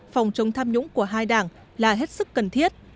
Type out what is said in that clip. phòng chống tham nhũng của hai đảng là hết sức cần thiết